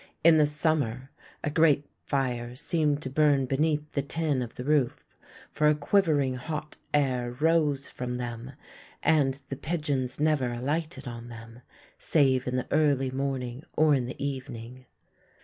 In the summer a great fire seemed to burn beneath the tin of the roof, for a quivering hot air rose from them, and the pigeons never alighted on them, save in the early morning or in the evening.